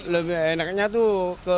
lebih enaknya tuh